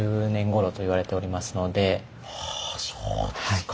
はぁそうですか。